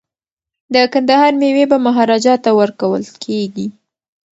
د کندهار میوې به مهاراجا ته ورکول کیږي.